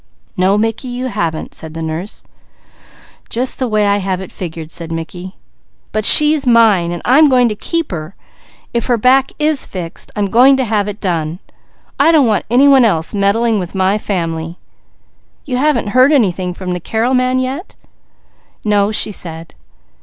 "No Mickey, you haven't!" said the nurse. "Just the way I have it figured," said Mickey. "But she's mine, and I'm going to keep her. If her back is fixed, I'm going to have it done. I don't want any one else meddling with my family. You haven't heard anything from the Carrel man yet?" "No," she said.